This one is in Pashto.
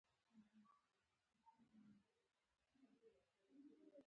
لیکوال: ضیاءالاسلام شېراني